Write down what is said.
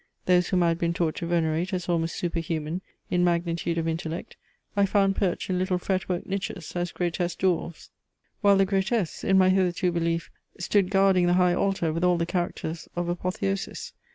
Those whom I had been taught to venerate as almost super human in magnitude of intellect, I found perched in little fret work niches, as grotesque dwarfs; while the grotesques, in my hitherto belief, stood guarding the high altar with all the characters of apotheosis.